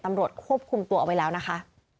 ตำรวจควบคุมตัวเอาไว้แล้วนะคะ